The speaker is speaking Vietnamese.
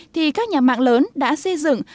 thì các nhà mạng lớn đã xây dựng